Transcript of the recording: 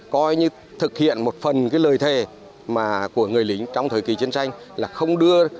coi như thực hiện một phần cái lời thề của người lính trong thời kỳ chiến tranh là không đưa